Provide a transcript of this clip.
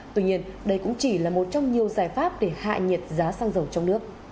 tuy nhiên đây cũng chỉ là một trong nhiều giải pháp để hạ nhiệt giá xăng dầu trong nước